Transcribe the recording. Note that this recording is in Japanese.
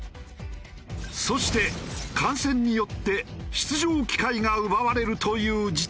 そして感染によって出場機会が奪われるという事態が。